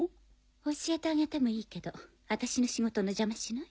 教えてあげてもいいけど私の仕事の邪魔しない？